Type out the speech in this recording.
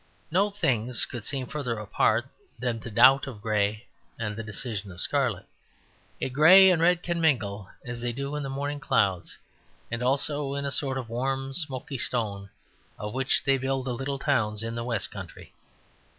No things could seem further apart than the doubt of grey and the decision of scarlet. Yet grey and red can mingle, as they do in the morning clouds: and also in a sort of warm smoky stone of which they build the little towns in the west country.